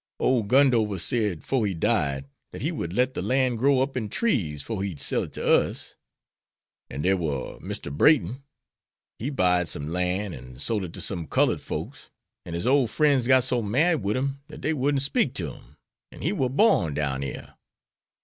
Ole Gundover said, 'fore he died, dat he would let de lan' grow up in trees 'fore he'd sell it to us. An' dere war Mr. Brayton; he buyed some lan' and sole it to some cullud folks, an' his ole frien's got so mad wid him dat dey wouldn't speak ter him, an' he war borned down yere.